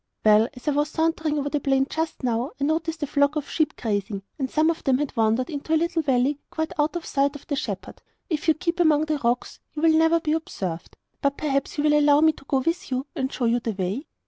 'Well, as I was sauntering over the plain, just now, I noticed a flock of sheep grazing, and some of them had wandered into a little valley quite out of sight of the shepherd. If you keep among the rocks you will never be observed. But perhaps you will allow me to go with you and show you the way?